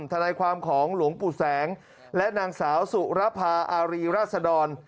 ทนายความของหลวงปู่แสงและนางสาวสุรภาอารีราชดร